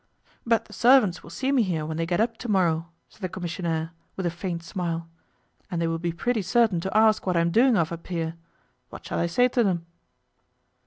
'But the servants will see me here when they get up to morrow,' said the commissionaire, with a faint smile, 'and they will be pretty certain to ask what I'm doing of up here. What shall I say to 'em?